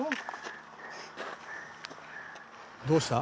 「どうした？」